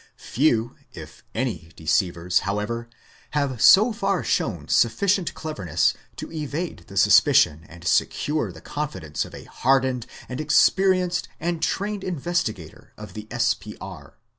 Few, if any, deceivers, however, have so far shown sufficient cleverness to evade the suspicion and secure the confidence of a hardened and experienced and trained investigator of the S.P.R.